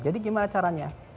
jadi gimana caranya